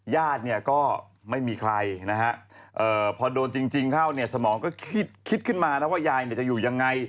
ญาติก็ไม่มีใครพอโดนจริงเข้าสมองก็คิดขึ้นมานะว่ายายจะอยู่ยังไง